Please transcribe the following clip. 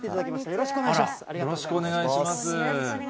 よろしくお願いします。